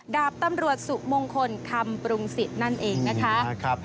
ดาบตำรวจสุมงคลคำปรุงสิทธิ์นั่นเองนะคะ